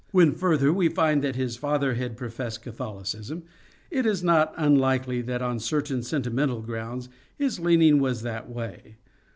When, further, we find that his father had professed Catholicism, it is not unlikely that on certain sentimental grounds his leaning was that way.